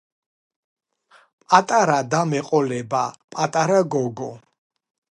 პატარა და მეყოლებააა პატარა გოგო